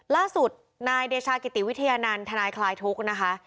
ล่าสุดนายเดชากิติวิทยานันต์ทนายคลายทุกข์นะคะ